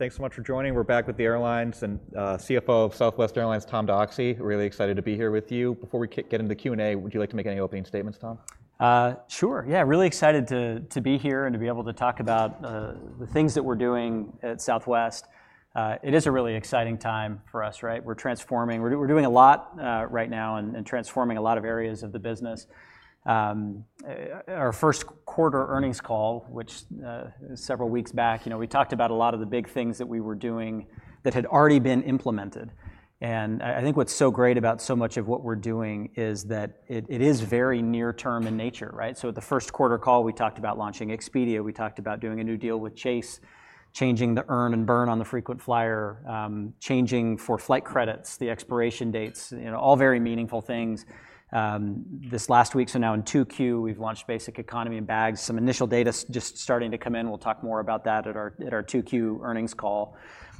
Thanks so much for joining. We're back with the airlines and CFO of Southwest Airlines, Tom Doxey. Really excited to be here with you. Before we get into the Q&A, would you like to make any opening statements, Tom? Sure. Yeah, really excited to be here and to be able to talk about the things that we're doing at Southwest. It is a really exciting time for us, right? We're transforming. We're doing a lot right now and transforming a lot of areas of the business. Our first quarter earnings call, which was several weeks back, you know, we talked about a lot of the big things that we were doing that had already been implemented. I think what's so great about so much of what we're doing is that it is very near-term in nature, right? At the first quarter call, we talked about launching Expedia. We talked about doing a new deal with Chase, changing the earn and burn on the frequent flyer, changing for flight credits, the expiration dates, you know, all very meaningful things. This last week, so now in Q2, we've launched Basic Economy and bags. Some initial data just starting to come in. We'll talk more about that at our Q2 Earnings Call.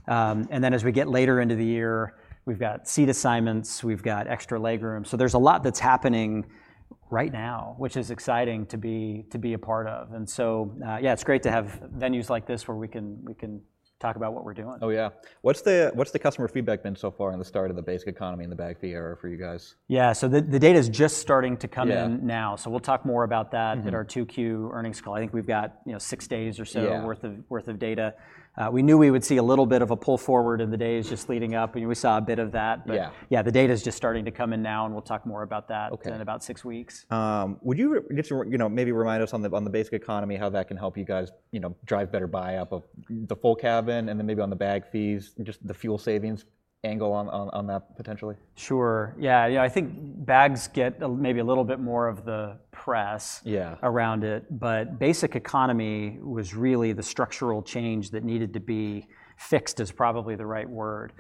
And then as we get later into the year, we've got Seat Assignments, we've got Extra Leg Room. There is a lot that's happening right now, which is exciting to be a part of. Yeah, it's great to have venues like this where we can talk about what we're doing. Oh, yeah. What's the customer feedback been so far on the start of the basic economy and the bag fee era for you guys? Yeah, so the data is just starting to come in now. We'll talk more about that at our Q2 earnings call. I think we've got six days or so worth of data. We knew we would see a little bit of a pull forward in the days just leading up. We saw a bit of that. Yeah, the data is just starting to come in now, and we'll talk more about that in about six weeks. Would you just maybe remind us on the Basic Economy, how that can help you guys drive better buyout of the full cabin, and then maybe on the bag fees, just the fuel savings angle on that potentially? Sure. Yeah, you know, I think bags get maybe a little bit more of the press around it. But basic economy was really the structural change that needed to be fixed is probably the right word.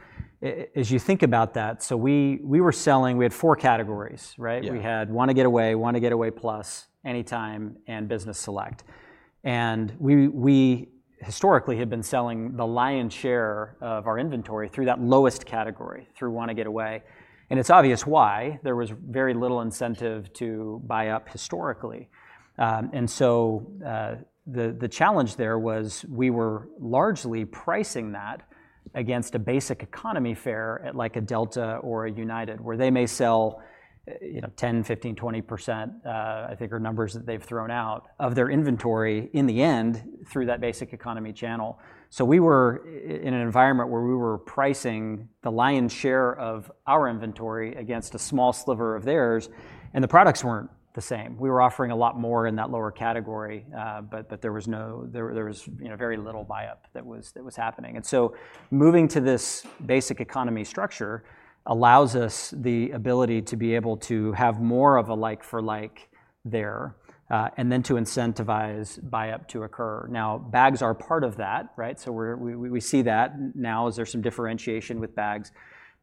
As you think about that, we were selling, we had four categories, right? We had Want to Get Away, Want to Get Away Plus, Anytime, and Business Select. And we historically had been selling the lion's share of our inventory through that lowest category, through Want to Get Away. And it's obvious why. There was very little incentive to buy up historically. The challenge there was we were largely pricing that against a basic economy fare at like a Delta or a United, where they may sell 10%, 15%, 20%, I think are numbers that they've thrown out of their inventory in the end through that basic economy channel. We were in an environment where we were pricing the lion's share of our inventory against a small sliver of theirs. The products were not the same. We were offering a lot more in that lower category, but there was very little buyup that was happening. Moving to this basic economy structure allows us the ability to be able to have more of a like-for-like there and then to incentivize buyup to occur. Now, bags are part of that, right? We see that now as there is some differentiation with bags.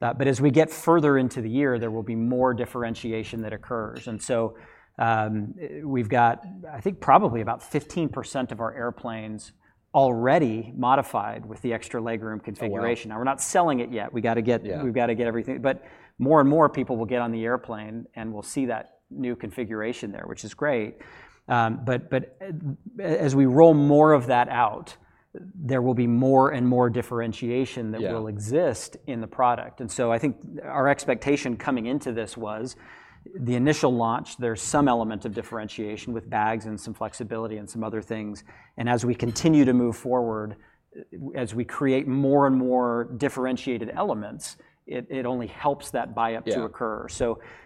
As we get further into the year, there will be more differentiation that occurs. We have, I think, probably about 15% of our airplanes already modified with the extra leg room configuration. We are not selling it yet. We got to get everything. More and more people will get on the airplane, and we'll see that new configuration there, which is great. As we roll more of that out, there will be more and more differentiation that will exist in the product. I think our expectation coming into this was the initial launch, there's some element of differentiation with bags and some flexibility and some other things. As we continue to move forward, as we create more and more differentiated elements, it only helps that buyup to occur.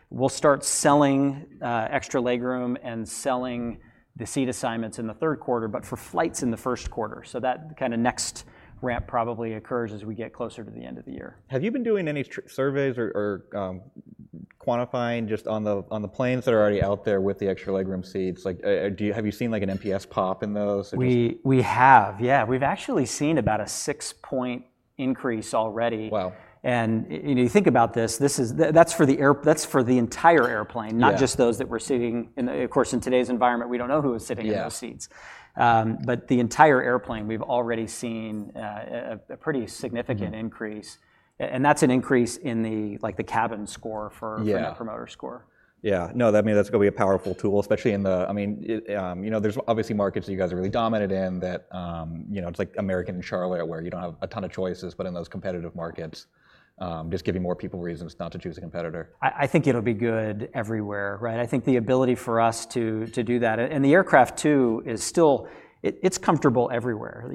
We'll start selling extra legroom and selling the seat assignments in the third quarter, but for flights in the first quarter. That kind of next ramp probably occurs as we get closer to the end of the year. Have you been doing any surveys or quantifying just on the planes that are already out there with the extraleg room seats? Have you seen an NPS pop in those? We have. Yeah, we've actually seen about a six-point increase already. Wow. You think about this, that's for the entire airplane, not just those that we're sitting. Of course, in today's environment, we don't know who is sitting in those seats. The entire airplane, we've already seen a pretty significant increase. That's an increase in the cabin score for the promoter score. Yeah. No, that means that's going to be a powerful tool, especially in the, I mean, you know, there's obviously markets that you guys are really dominant in that, you know, it's like American in Charlotte where you don't have a ton of choices, but in those competitive markets, just giving more people reasons not to choose a competitor. I think it'll be good everywhere, right? I think the ability for us to do that. And the aircraft too is still, it's comfortable everywhere.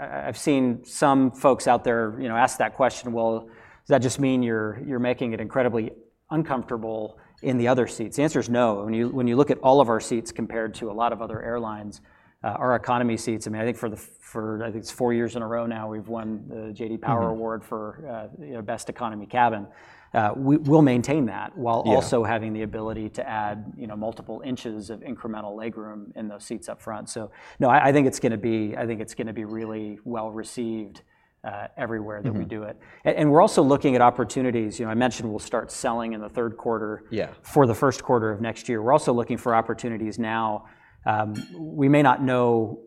I've seen some folks out there ask that question, well, does that just mean you're making it incredibly uncomfortable in the other seats? The answer is no. When you look at all of our seats compared to a lot of other airlines, our economy seats, I mean, I think for, I think it's four years in a row now, we've won the J.D. Power Award for best economy cabin. We'll maintain that while also having the ability to add multiple inches of incremental leg room in those seats up front. No, I think it's going to be, I think it's going to be really well received everywhere that we do it. We're also looking at opportunities. You know, I mentioned we'll start selling in the third quarter for the first quarter of next year. We're also looking for opportunities now. We may not know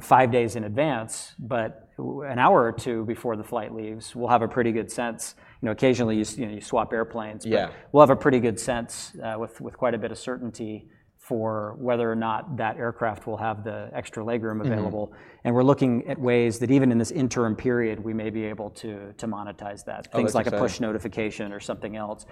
five days in advance, but an hour or two before the flight leaves, we'll have a pretty good sense. You know, occasionally you swap airplanes, but we'll have a pretty good sense with quite a bit of certainty for whether or not that aircraft will have the extra leg room available. We're looking at ways that even in this interim period, we may be able to monetize that. Things like a push notification or something else.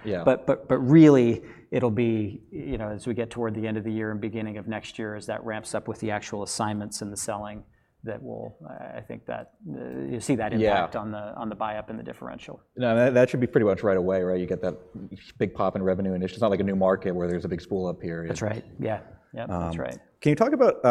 Really, it'll be as we get toward the end of the year and beginning of next year as that ramps up with the actual assignments and the selling that we'll, I think that you see that impact on the buyup and the differential. That should be pretty much right away, right? You get that big pop in revenue initially. It's not like a new market where there's a big spool up here. That's right. Yeah, that's right. Can you talk about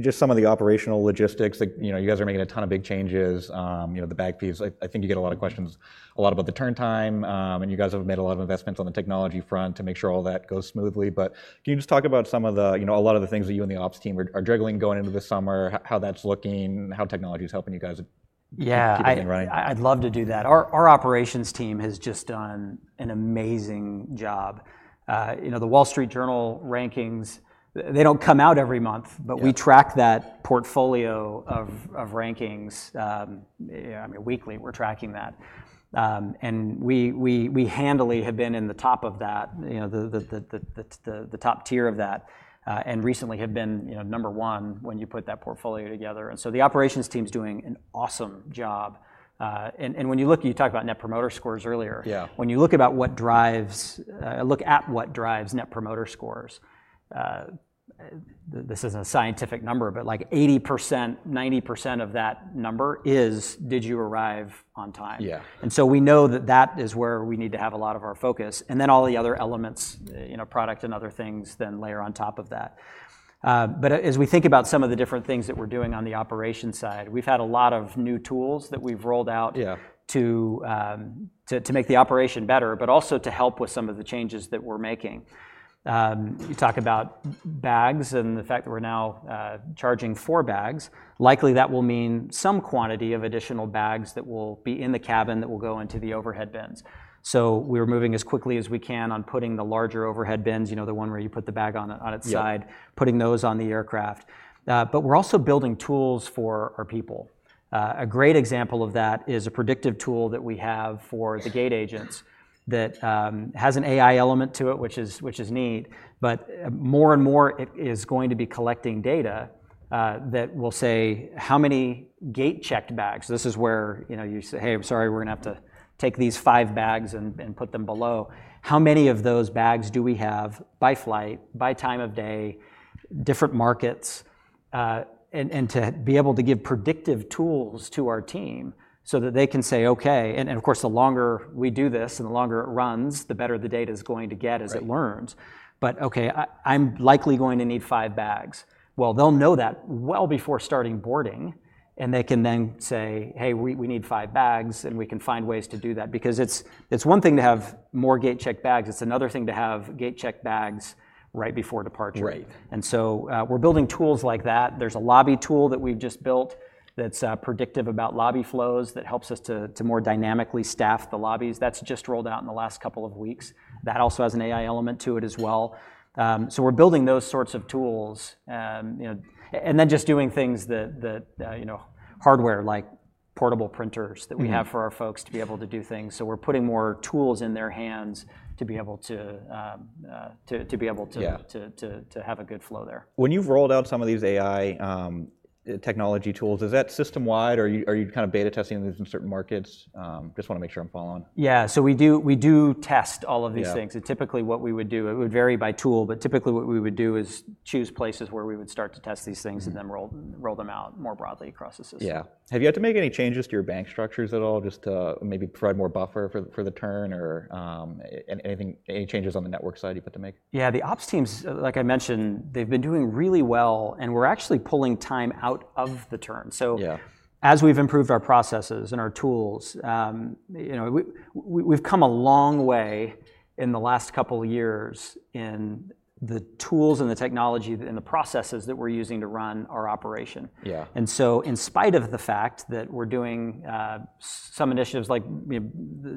just some of the operational logistics? You guys are making a ton of big changes, the bag fees. I think you get a lot of questions, a lot about the turn time. You guys have made a lot of investments on the technology front to make sure all that goes smoothly. Can you just talk about some of the, you know, a lot of the things that you and the ops team are juggling going into the summer, how that's looking, how technology is helping you guys keep it running? Yeah, I'd love to do that. Our operations team has just done an amazing job. You know, the Wall Street Journal rankings, they don't come out every month, but we track that portfolio of rankings. I mean, weekly we're tracking that. We handily have been in the top of that, you know, the top tier of that, and recently have been number one when you put that portfolio together. The operations team's doing an awesome job. You talked about net promoter scores earlier. When you look at what drives net promoter scores, this isn't a scientific number, but like 80%, 90% of that number is, did you arrive on time? Yeah. We know that that is where we need to have a lot of our focus. All the other elements, you know, product and other things then layer on top of that. But as we think about some of the different things that we're doing on the operation side, we've had a lot of new tools that we've rolled out to make the operation better, but also to help with some of the changes that we're making. You talk about bags and the fact that we're now charging for bags. Likely that will mean some quantity of additional bags that will be in the cabin that will go into the overhead bins. We're moving as quickly as we can on putting the larger overhead bins, you know, the one where you put the bag on its side, putting those on the aircraft. We're also building tools for our people. A great example of that is a predictive tool that we have for the gate agents that has an AI element to it, which is neat. More and more it is going to be collecting data that will say how many gate-checked bags. This is where you say, hey, I'm sorry, we're going to have to take these five bags and put them below. How many of those bags do we have by flight, by time of day, different markets? To be able to give predictive tools to our team so that they can say, okay, and of course, the longer we do this and the longer it runs, the better the data is going to get as it learns. Okay, I'm likely going to need five bags. They'll know that well before starting boarding. They can then say, hey, we need five bags and we can find ways to do that. Because it is one thing to have more gate-checked bags. It is another thing to have gate-checked bags right before departure. We are building tools like that. There is a lobby tool that we have just built that is predictive about lobby flows that helps us to more dynamically staff the lobbies. That has just rolled out in the last couple of weeks. That also has an AI element to it as well. We are building those sorts of tools. Just doing things that, you know, hardware like portable printers that we have for our folks to be able to do things. We are putting more tools in their hands to be able to have a good flow there. When you've rolled out some of these AI technology tools, is that system-wide or are you kind of beta testing these in certain markets? Just want to make sure I'm following. Yeah, we do test all of these things. Typically what we would do, it would vary by tool, but typically what we would do is choose places where we would start to test these things and then roll them out more broadly across the system. Yeah. Have you had to make any changes to your bank structures at all just to maybe provide more buffer for the turn or any changes on the network side you've had to make? Yeah, the ops teams, like I mentioned, they've been doing really well and we're actually pulling time out of the turn. As we've improved our processes and our tools, you know, we've come a long way in the last couple of years in the tools and the technology and the processes that we're using to run our operation. In spite of the fact that we're doing some initiatives like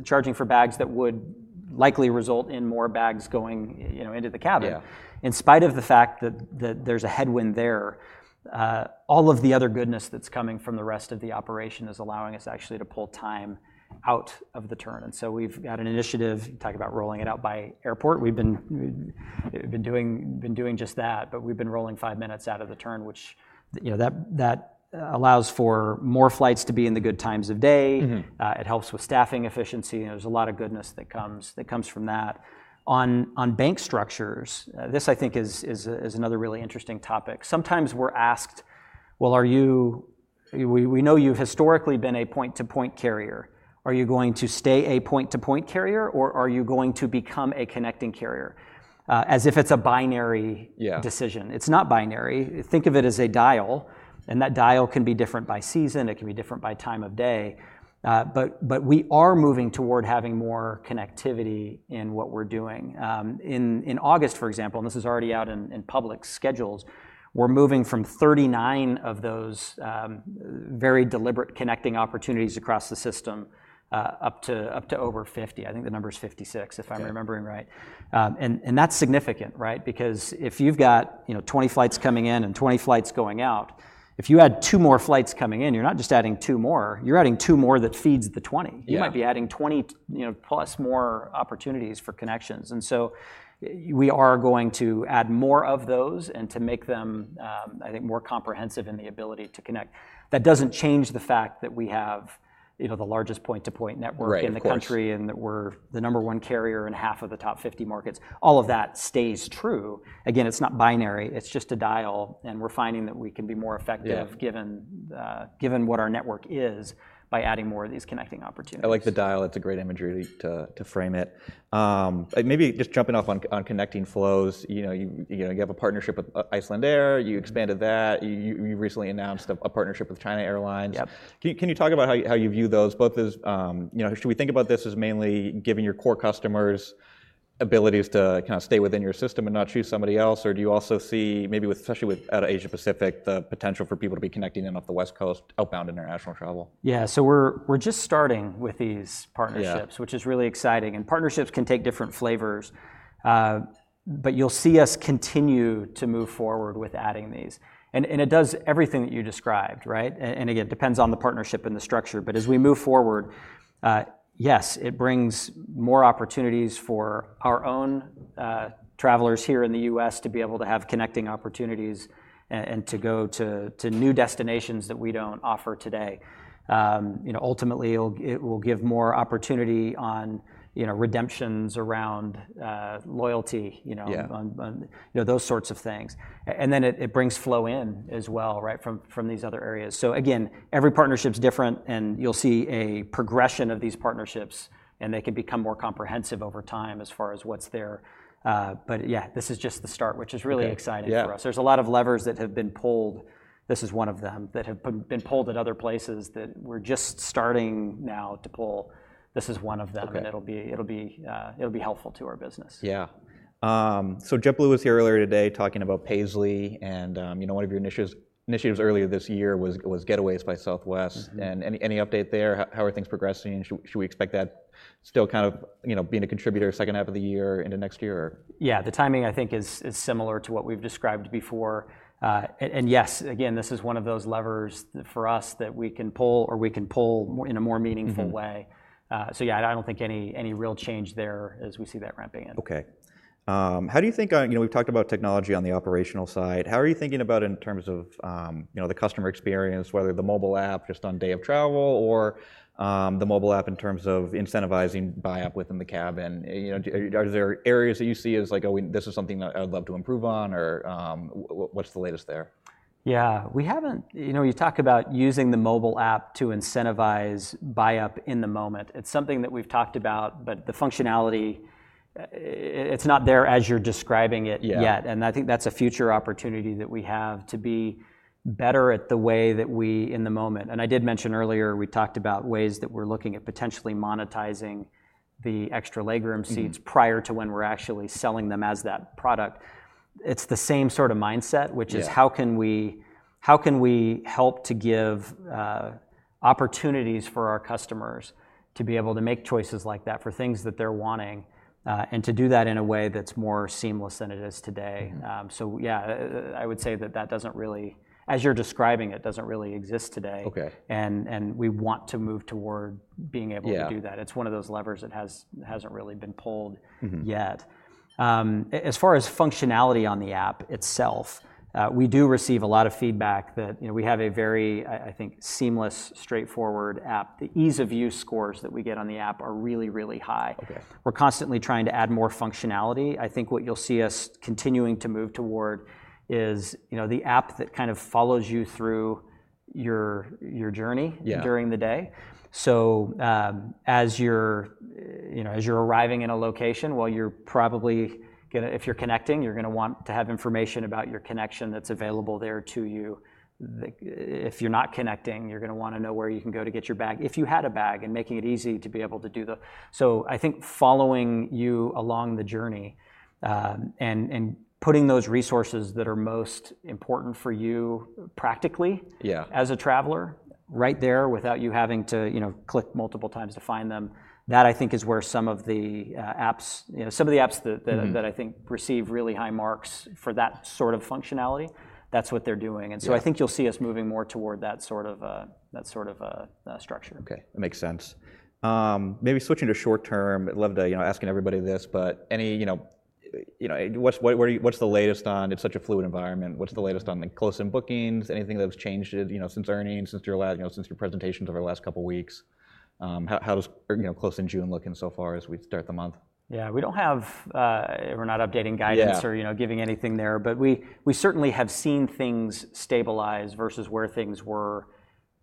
charging for bags that would likely result in more bags going into the cabin, in spite of the fact that there's a headwind there, all of the other goodness that's coming from the rest of the operation is allowing us actually to pull time out of the turn. We've got an initiative, talk about rolling it out by airport. We've been doing just that, but we've been rolling five minutes out of the turn, which, you know, that allows for more flights to be in the good times of day. It helps with staffing efficiency. There's a lot of goodness that comes from that. On bank structures, this I think is another really interesting topic. Sometimes we're asked, well, are you, we know you've historically been a point-to-point carrier. Are you going to stay a point-to-point carrier or are you going to become a connecting carrier? As if it's a binary decision. It's not binary. Think of it as a dial. And that dial can be different by season. It can be different by time of day. But we are moving toward having more connectivity in what we're doing. In August, for example, and this is already out in public schedules, we're moving from 39 of those very deliberate connecting opportunities across the system up to over 50. I think the number is 56, if I'm remembering right. That's significant, right? Because if you've got 20 flights coming in and 20 flights going out, if you add two more flights coming in, you're not just adding two more, you're adding two more that feeds the 20. You might be adding 20+ more opportunities for connections. We are going to add more of those and to make them, I think, more comprehensive in the ability to connect. That doesn't change the fact that we have the largest point-to-point network in the country and that we're the number one carrier in half of the top 50 markets. All of that stays true. Again, it's not binary. It's just a dial. We are finding that we can be more effective given what our network is by adding more of these connecting opportunities. I like the dial. That's a great imagery to frame it. Maybe just jumping off on connecting flows. You have a partnership with Icelandair. You expanded that. You recently announced a partnership with China Airlines. Can you talk about how you view those? Both as, you know, should we think about this as mainly giving your core customers abilities to kind of stay within your system and not choose somebody else? Or do you also see, maybe especially out of Asia Pacific, the potential for people to be connecting in off the West Coast, outbound international travel? Yeah, so we're just starting with these partnerships, which is really exciting. Partnerships can take different flavors, but you'll see us continue to move forward with adding these. It does everything that you described, right? Again, it depends on the partnership and the structure. As we move forward, yes, it brings more opportunities for our own travelers here in the U.S. to be able to have connecting opportunities and to go to new destinations that we don't offer today. You know, ultimately it will give more opportunity on redemptions around loyalty, you know, those sorts of things. It brings flow in as well, right, from these other areas. Again, every partnership's different and you'll see a progression of these partnerships and they can become more comprehensive over time as far as what's there. Yeah, this is just the start, which is really exciting for us. There's a lot of levers that have been pulled. This is one of them that have been pulled at other places that we're just starting now to pull. This is one of them. It'll be helpful to our business. Yeah. Jeb Blue was here earlier today talking about Paisley. And you know, one of your initiatives earlier this year was Getaways by Southwest. Any update there? How are things progressing? Should we expect that still kind of, you know, being a contributor second half of the year into next year? Yeah, the timing I think is similar to what we've described before. Yes, again, this is one of those levers for us that we can pull or we can pull in a more meaningful way. Yeah, I don't think any real change there as we see that ramping in. Okay. How do you think, you know, we've talked about technology on the operational side. How are you thinking about it in terms of, you know, the customer experience, whether the mobile app just on day of travel or the mobile app in terms of incentivizing buyup within the cabin? You know, are there areas that you see as like, oh, this is something that I'd love to improve on or what's the latest there? Yeah, we haven't, you know, you talk about using the mobile app to incentivize buyup in the moment. It's something that we've talked about, but the functionality, it's not there as you're describing it yet. I think that's a future opportunity that we have to be better at the way that we in the moment. I did mention earlier, we talked about ways that we're looking at potentially monetizing the extra legroom seats prior to when we're actually selling them as that product. It's the same sort of mindset, which is how can we help to give opportunities for our customers to be able to make choices like that for things that they're wanting and to do that in a way that's more seamless than it is today. Yeah, I would say that that doesn't really, as you're describing it, doesn't really exist today. We want to move toward being able to do that. It's one of those levers that hasn't really been pulled yet. As far as functionality on the app itself, we do receive a lot of feedback that we have a very, I think, seamless, straightforward app. The ease of use scores that we get on the app are really, really high. We're constantly trying to add more functionality. I think what you'll see us continuing to move toward is, you know, the app that kind of follows you through your journey during the day. As you're arriving in a location, you're probably going to, if you're connecting, you're going to want to have information about your connection that's available there to you. If you're not connecting, you're going to want to know where you can go to get your bag. If you had a bag and making it easy to be able to do the, so I think following you along the journey and putting those resources that are most important for you practically as a traveler right there without you having to, you know, click multiple times to find them. That I think is where some of the apps, you know, some of the apps that I think receive really high marks for that sort of functionality, that's what they're doing. I think you'll see us moving more toward that sort of structure. Okay, that makes sense. Maybe switching to short term, I'd love to, you know, asking everybody this, but any, you know, what's the latest on, it's such a fluid environment, what's the latest on the close-in bookings? Anything that's changed, you know, since earnings, since your, you know, since your presentations over the last couple of weeks? How does, you know, close-in June look in so far as we start the month? Yeah, we don't have, we're not updating guidance or, you know, giving anything there, but we certainly have seen things stabilize versus where things were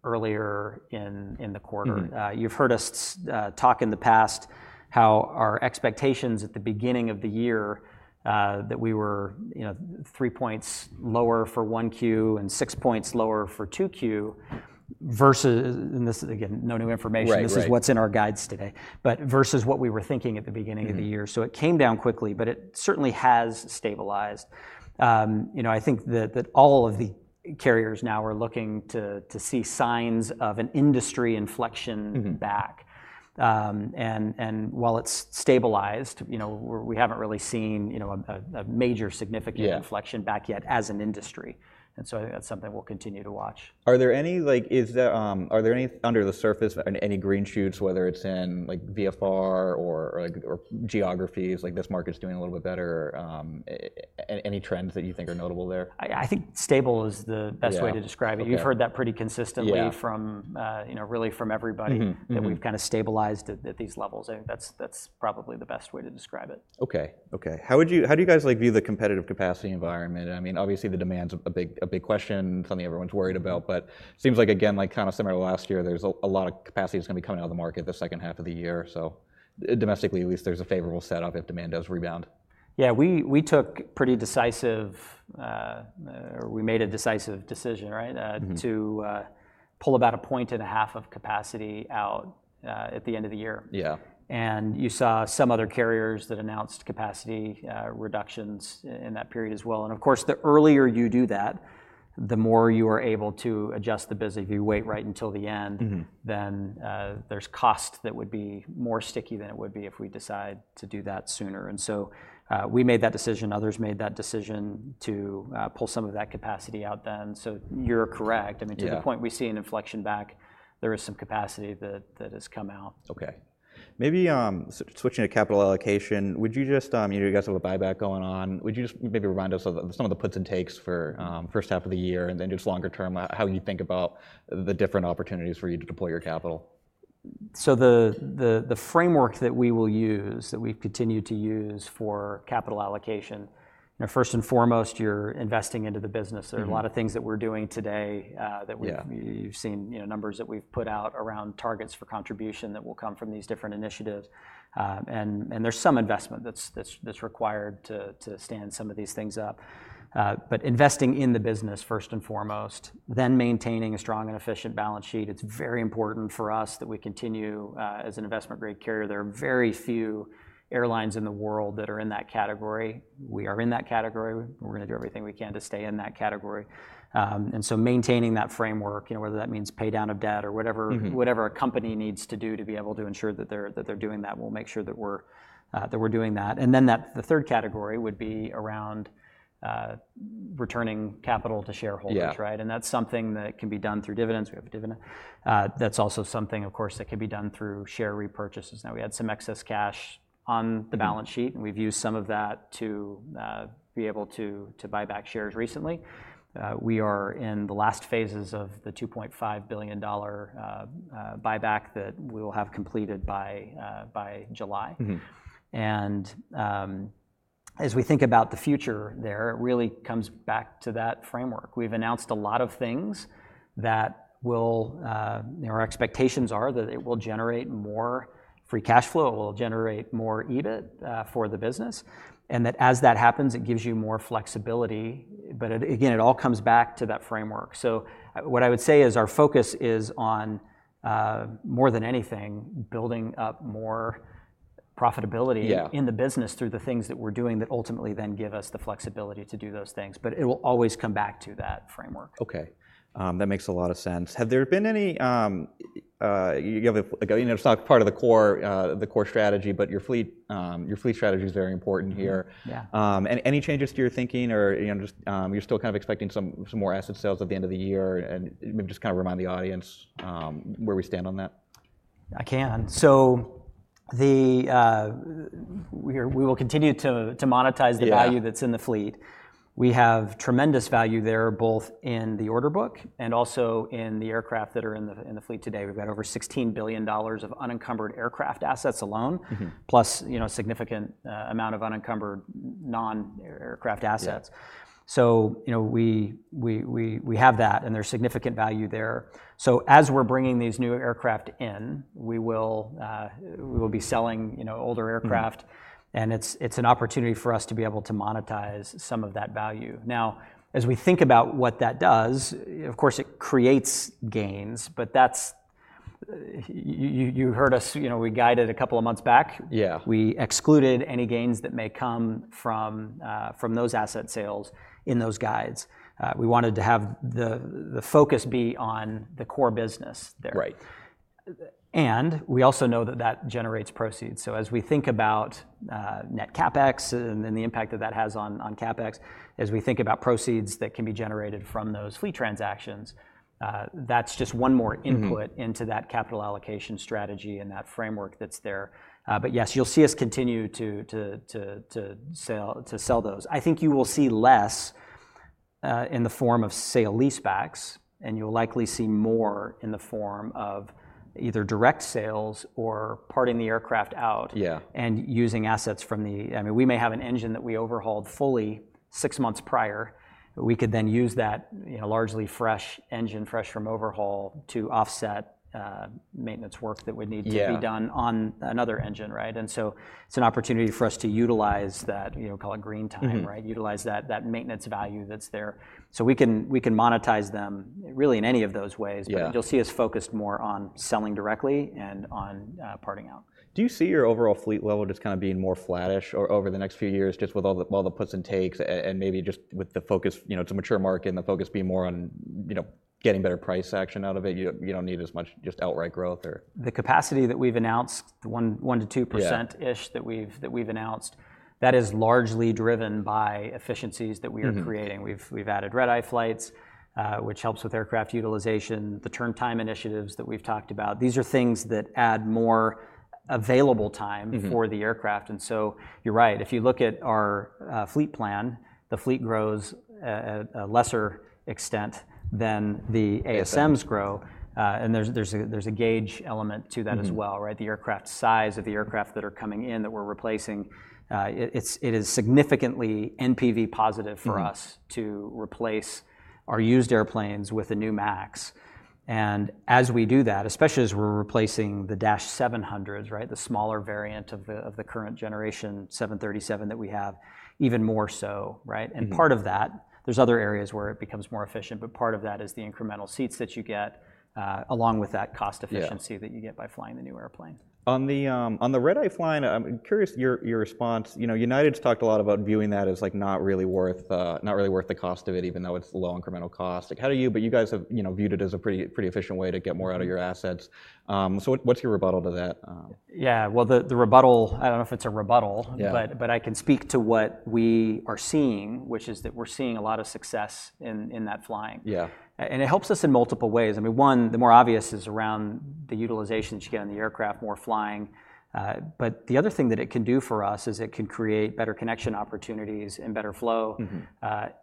earlier in the quarter. You've heard us talk in the past how our expectations at the beginning of the year that we were, you know, three points lower for 1Q and six points lower for 2Q versus, and this is again, no new information, this is what's in our guides today, but versus what we were thinking at the beginning of the year. It came down quickly, but it certainly has stabilized. You know, I think that all of the carriers now are looking to see signs of an industry inflection back. While it's stabilized, you know, we haven't really seen, you know, a major significant inflection back yet as an industry. I think that's something we'll continue to watch. Are there any, like, are there any under the surface, any green shoots, whether it's in like VFR or geographies, like this market's doing a little bit better, any trends that you think are notable there? I think stable is the best way to describe it. You've heard that pretty consistently from, you know, really from everybody that we've kind of stabilized at these levels. I think that's probably the best way to describe it. Okay. How do you guys like view the competitive capacity environment? I mean, obviously the demand's a big question, something everyone's worried about, but it seems like, again, like kind of similar to last year, there's a lot of capacity that's going to be coming out of the market the second half of the year. Domestically, at least there's a favorable setup if demand does rebound. Yeah, we took pretty decisive, or we made a decisive decision, right, to pull about a point and a half of capacity out at the end of the year. Yeah, you saw some other carriers that announced capacity reductions in that period as well. Of course, the earlier you do that, the more you are able to adjust the business. If you wait right until the end, then there's cost that would be more sticky than it would be if we decide to do that sooner. We made that decision, others made that decision to pull some of that capacity out then. You're correct. I mean, to the point we see an inflection back, there is some capacity that has come out. Okay. Maybe switching to capital allocation, would you just, you know, you guys have a buyback going on. Would you just maybe remind us of some of the puts and takes for the first half of the year and then just longer term, how you think about the different opportunities for you to deploy your capital? The framework that we will use, that we've continued to use for capital allocation, you know, first and foremost, you're investing into the business. There are a lot of things that we're doing today that we've seen, you know, numbers that we've put out around targets for contribution that will come from these different initiatives. And there's some investment that's required to stand some of these things up. Investing in the business first and foremost, then maintaining a strong and efficient balance sheet, it's very important for us that we continue as an investment-grade carrier. There are very few airlines in the world that are in that category. We are in that category. We're going to do everything we can to stay in that category. Maintaining that framework, you know, whether that means pay down of debt or whatever a company needs to do to be able to ensure that they're doing that, we'll make sure that we're doing that. The third category would be around returning capital to shareholders, right? That's something that can be done through dividends. We have a dividend. That's also something, of course, that can be done through share repurchases. Now we had some excess cash on the balance sheet and we've used some of that to be able to buy back shares recently. We are in the last phases of the $2.5 billion buyback that we will have completed by July. As we think about the future there, it really comes back to that framework. We've announced a lot of things that will, you know, our expectations are that it will generate more free cash flow, it will generate more EBIT for the business, and that as that happens, it gives you more flexibility. Again, it all comes back to that framework. What I would say is our focus is on, more than anything, building up more profitability in the business through the things that we're doing that ultimately then give us the flexibility to do those things. It will always come back to that framework. Okay. That makes a lot of sense. Have there been any, you know, it's not part of the core strategy, but your fleet strategy is very important here. Any changes to your thinking or, you know, just you're still kind of expecting some more asset sales at the end of the year and just kind of remind the audience where we stand on that? I can. We will continue to monetize the value that's in the fleet. We have tremendous value there, both in the order book and also in the aircraft that are in the fleet today. We've got over $16 billion of unencumbered aircraft assets alone, plus, you know, a significant amount of unencumbered non-aircraft assets. You know, we have that and there's significant value there. As we're bringing these new aircraft in, we will be selling, you know, older aircraft and it's an opportunity for us to be able to monetize some of that value. Now, as we think about what that does, of course, it creates gains, but that's, you heard us, you know, we guided a couple of months back. We excluded any gains that may come from those asset sales in those guides. We wanted to have the focus be on the core business there. And we also know that that generates proceeds. As we think about net CapEx and then the impact that that has on CapEx, as we think about proceeds that can be generated from those fleet transactions, that's just one more input into that capital allocation strategy and that framework that's there. Yes, you'll see us continue to sell those. I think you will see less in the form of sale-leasebacks and you'll likely see more in the form of either direct sales or parting the aircraft out and using assets from the, I mean, we may have an engine that we overhauled fully six months prior. We could then use that, you know, largely fresh engine, fresh from overhaul to offset maintenance work that would need to be done on another engine, right? It is an opportunity for us to utilize that, you know, call it green time, right? Utilize that maintenance value that's there. We can monetize them really in any of those ways, but you'll see us focused more on selling directly and on parting out. Do you see your overall fleet level just kind of being more flattish over the next few years just with all the puts and takes and maybe just with the focus, you know, it's a mature market and the focus being more on, you know, getting better price action out of it? You don't need as much just outright growth or? The capacity that we've announced, the 1%-2%-ish that we've announced, that is largely driven by efficiencies that we are creating. We've added red-eye flights, which helps with aircraft utilization, the turntime initiatives that we've talked about. These are things that add more available time for the aircraft. You're right, if you look at our fleet plan, the fleet grows a lesser extent than the ASMs grow. There's a gauge element to that as well, right? The aircraft size of the aircraft that are coming in that we're replacing, it is significantly NPV positive for us to replace our used airplanes with a new max. As we do that, especially as we're replacing the -700s, right? The smaller variant of the current generation 737 that we have, even more so, right? Part of that, there's other areas where it becomes more efficient, but part of that is the incremental seats that you get along with that cost efficiency that you get by flying the new airplane. On the red-eye flying, I'm curious your response, you know, United's talked a lot about viewing that as like not really worth, not really worth the cost of it, even though it's a low incremental cost. Like how do you, but you guys have, you know, viewed it as a pretty efficient way to get more out of your assets. So what's your rebuttal to that? Yeah, the rebuttal, I don't know if it's a rebuttal, but I can speak to what we are seeing, which is that we're seeing a lot of success in that flying. Yeah, and it helps us in multiple ways. I mean, one, the more obvious is around the utilization that you get on the aircraft, more flying. The other thing that it can do for us is it can create better connection opportunities and better flow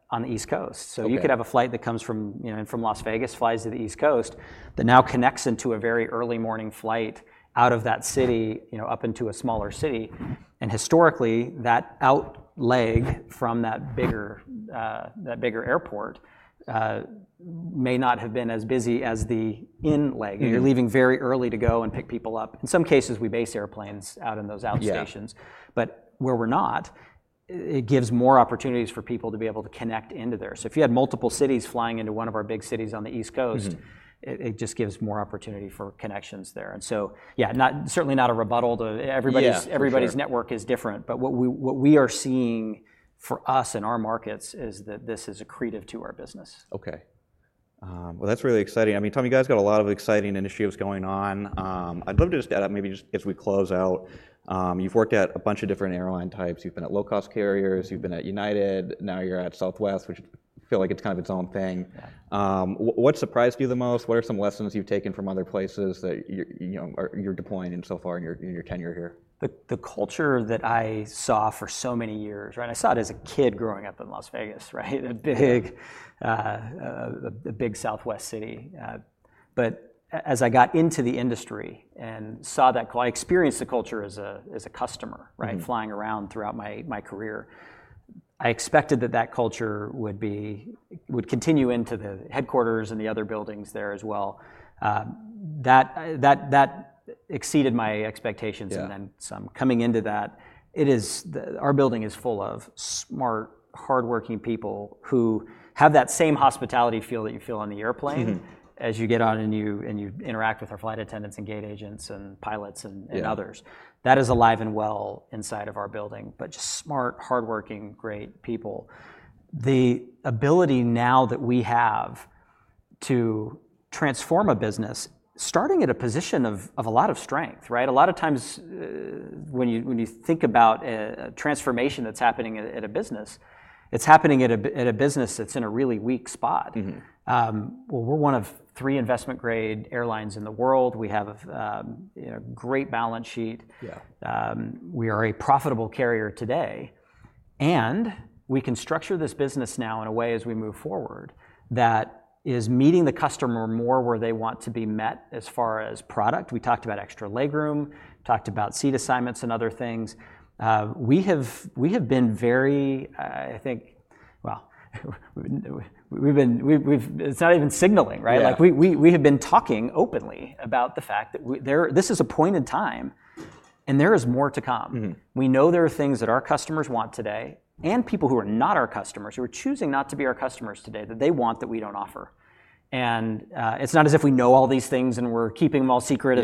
on the East Coast. You could have a flight that comes from, you know, from Las Vegas, flies to the East Coast, that now connects into a very early morning flight out of that city, you know, up into a smaller city. Historically, that out leg from that bigger, that bigger airport may not have been as busy as the in leg. You're leaving very early to go and pick people up. In some cases, we base airplanes out in those out stations. Where we're not, it gives more opportunities for people to be able to connect into there. If you had multiple cities flying into one of our big cities on the East Coast, it just gives more opportunity for connections there. Certainly not a rebuttal to everybody's network is different. What we are seeing for us in our markets is that this is accretive to our business. Okay. That's really exciting. I mean, Tom, you guys got a lot of exciting initiatives going on. I'd love to just add up maybe just as we close out. You've worked at a bunch of different airline types. You've been at low-cost carriers. You've been at United. Now you're at Southwest, which I feel like it's kind of its own thing. What surprised you the most? What are some lessons you've taken from other places that you're deploying in so far in your tenure here? The culture that I saw for so many years, right? I saw it as a kid growing up in Las Vegas, right? A big Southwest city. As I got into the industry and saw that, I experienced the culture as a customer, right? Flying around throughout my career, I expected that that culture would continue into the headquarters and the other buildings there as well. That exceeded my expectations and then some coming into that. It is, our building is full of smart, hardworking people who have that same hospitality feel that you feel on the airplane as you get on and you interact with our flight attendants and gate agents and pilots and others. That is alive and well inside of our building, but just smart, hardworking, great people. The ability now that we have to transform a business, starting at a position of a lot of strength, right? A lot of times when you think about a transformation that's happening at a business, it's happening at a business that's in a really weak spot. We are one of three investment-grade airlines in the world. We have a great balance sheet. We are a profitable carrier today. We can structure this business now in a way as we move forward that is meeting the customer more where they want to be met as far as product. We talked about extra legroom, talked about seat assignments and other things. We have been very, I think, well, we've been, it's not even signaling, right? Like we have been talking openly about the fact that this is a point in time and there is more to come. We know there are things that our customers want today and people who are not our customers, who are choosing not to be our customers today, that they want that we do not offer. It is not as if we know all these things and we are keeping them all secret.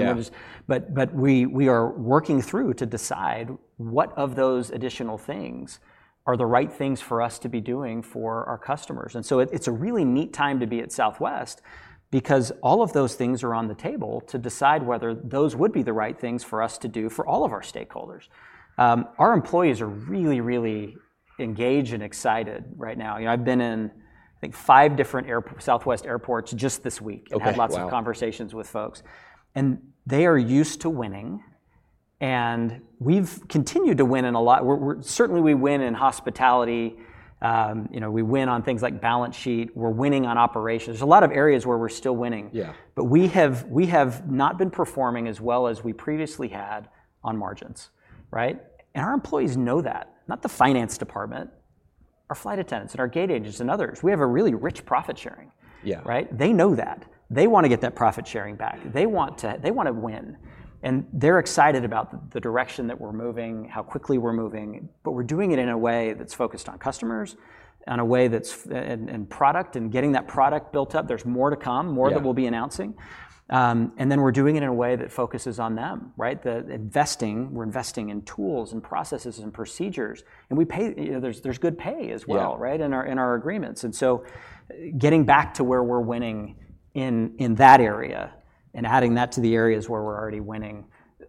We are working through to decide what of those additional things are the right things for us to be doing for our customers. It is a really neat time to be at Southwest because all of those things are on the table to decide whether those would be the right things for us to do for all of our stakeholders. Our employees are really, really engaged and excited right now. You know, I have been in, I think, five different Southwest airports just this week. I have had lots of conversations with folks. They are used to winning. We have continued to win in a lot. Certainly we win in hospitality. You know, we win on things like balance sheet. We are winning on operations. There are a lot of areas where we are still winning. We have not been performing as well as we previously had on margins, right? Our employees know that. Not the finance department, our flight attendants and our gate agents and others. We have a really rich profit sharing, right? They know that. They want to get that profit sharing back. They want to win. They are excited about the direction that we are moving, how quickly we are moving. We are doing it in a way that is focused on customers, in a way that is in product and getting that product built up. There is more to come, more that we will be announcing. We are doing it in a way that focuses on them, right? We're investing in tools and processes and procedures. We pay, you know, there's good pay as well, right? In our agreements. Getting back to where we're winning in that area and adding that to the areas where we're already winning,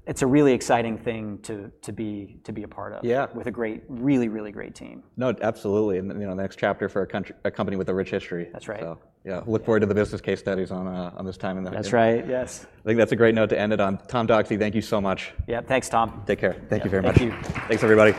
it's a really exciting thing to be a part of with a great, really, really great team. No, absolutely. You know, next chapter for a company with a rich history. That's right. Yeah. Look forward to the business case studies on this time in the. That's right. Yes. I think that's a great note to end it on. Tom Doxey, thank you so much. Yeah. Thanks, Tom. Take care. Thank you very much. Thank you. Thanks, everybody.